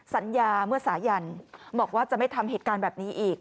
สัญญาเมื่อสายันบอกว่าจะไม่ทำเหตุการณ์แบบนี้อีก